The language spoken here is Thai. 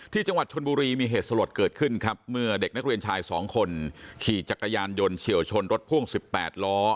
ที่จังหวัดชนบุรีมีเหตุสลดเกิดขึ้นครับเมื่อเด็กนักเรียนชายสองคนขี่จักรยานยนต์เฉียวชนรถพ่วง๑๘ล้อ